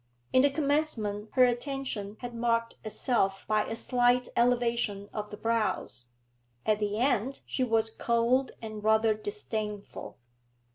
In the commencement her attention had marked itself by a slight elevation of the brows; at the end she was cold and rather disdainful.